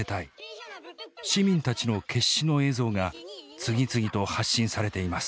市民たちの決死の映像が次々と発信されています。